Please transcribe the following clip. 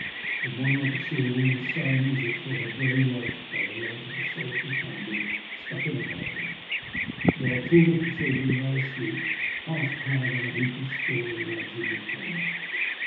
In one I could see a woman sewing as if for her very life by the light of a solitary candle stuck in a bottle, while two little children lay asleep, half clad, on a heap of straw and rags in the comer.